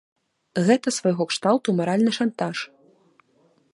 Гэта свайго кшталту маральны шантаж.